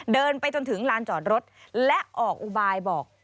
เดินไปจนถึงลานจอดรถและออกอุบายบอก